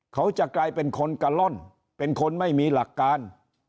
เขาจะกลายเป็นคนกะล่อนเป็นคนไม่มีหลักการ